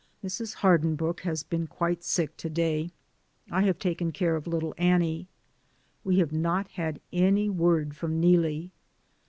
Mrs. Hardinbrooke has been quite sick to day. I have taken care of little Annie. We have not had any word from Neelie.